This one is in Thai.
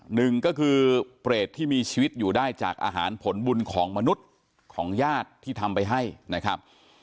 หนึ่งก็คือเปรตที่มีชีวิตอยู่ได้จากอาหารผลบุญของมนุษย์ของญาติที่ทำไปให้นะครับ